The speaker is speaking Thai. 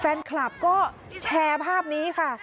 แฟนคลับก็แชร์ภาพนี้ค่ะ